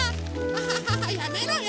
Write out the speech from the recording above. アハハハやめろよ！